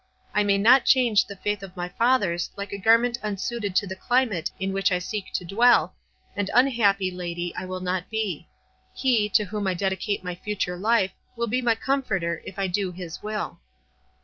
I may not change the faith of my fathers like a garment unsuited to the climate in which I seek to dwell, and unhappy, lady, I will not be. He, to whom I dedicate my future life, will be my comforter, if I do His will."